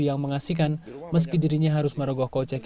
yang mengasihkan meski dirinya harus merogoh kocek